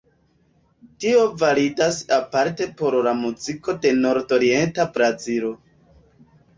Tio validas aparte por la muziko de nordorienta Brazilo.